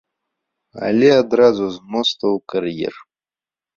Але адразу з моста ў кар'ер.